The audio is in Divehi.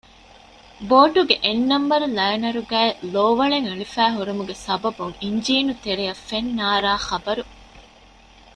ބޯޓުގެ އެއް ނަންބަރު ލައިނަރުގައި ލޯވަޅެއް އެޅިފައި ހުރުމުގެ ސަބަބުން އިންޖީނު ތެރެއަށް ފެން ނާރާ ޚަބަރު